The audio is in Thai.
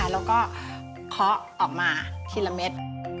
แล้วก็เคาะออกมาทีละเม็ด